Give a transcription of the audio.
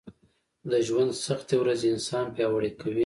د ژونــد سختې ورځې انـسان پـیاوړی کوي